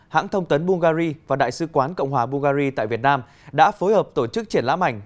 hãng thông tấn bungary và đại sứ quán cộng hòa bungary tại việt nam đã phối hợp tổ chức triển lãm ảnh